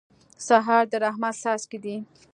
سهار د رحمت څاڅکي دي.